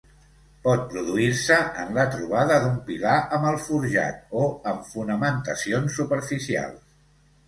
Pot produir-se en la trobada d'un pilar amb el forjat, o en fonamentacions superficials.